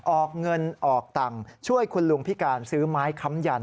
ออกเงินออกตังค์ช่วยคุณลุงพิการซื้อไม้ค้ำยัน